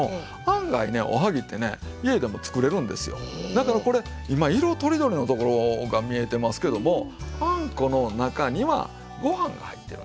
だからこれ今色とりどりのところが見えてますけどもあんこの中にはご飯が入ってるんですよ。